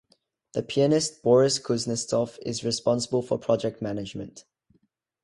The pianist Boris Kuznetsov is responsible for project management.